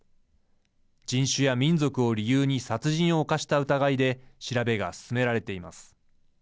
人種や民族を理由に殺人を犯した疑いで調べが進められています。